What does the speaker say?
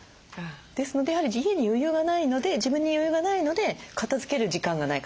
ですのでやはり余裕がないので自分に余裕がないので片づける時間がない。